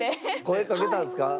声かけたんすか？